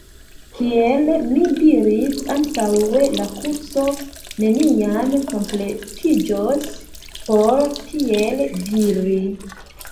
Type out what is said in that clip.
Kiel mi diris antaŭe la kurso neniam kompletiĝos por tiel diri.